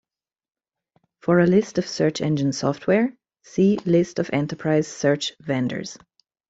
For a list of search engine software, see List of enterprise search vendors.